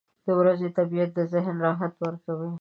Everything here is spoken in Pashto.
• د ورځې طبیعت د ذهن راحت ورکوي.